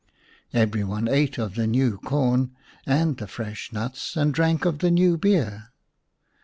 Every one ate of the new corn and the fresh nuts, and drank of the new beer.